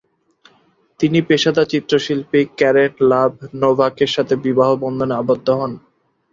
তিনি পেশাদার চিত্রশিল্পী ক্যারেন লাব-নোভাকের সাথে বিবাহ বন্ধনে আবদ্ধ হন।